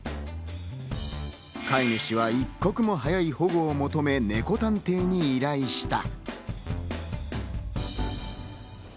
飼い主は一刻も早い保護を求めネコ探偵に依頼した。